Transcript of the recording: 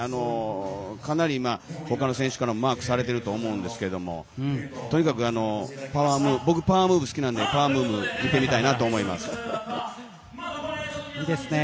かなり他の選手からもマークされていると思いますけどとにかく、僕はパワームーブが好きなのでパワームーブを見てみたいと思います。